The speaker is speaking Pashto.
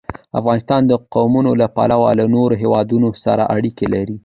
افغانستان د قومونه له پلوه له نورو هېوادونو سره اړیکې لري.